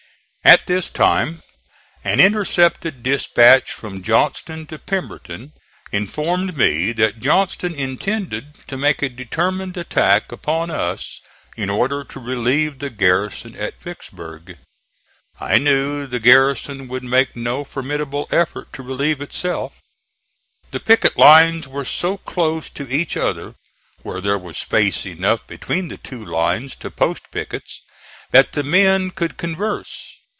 At this time an intercepted dispatch from Johnston to Pemberton informed me that Johnston intended to make a determined attack upon us in order to relieve the garrison at Vicksburg. I knew the garrison would make no formidable effort to relieve itself. The picket lines were so close to each other where there was space enough between the lines to post pickets that the men could converse.